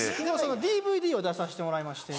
ＤＶＤを出させてもらいまして。